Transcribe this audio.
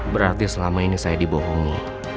berarti selama ini saya dibohongi